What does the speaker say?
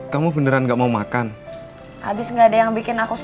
soalnya aku jaksa punya ngomong uum